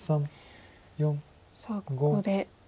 さあここで。